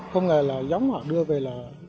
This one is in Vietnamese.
không ngờ là giống họ đưa về là